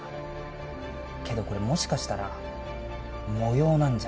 けどこれもしかしたら模様なんじゃ。